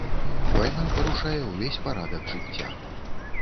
Вайна парушае ўвесь парадак жыцця.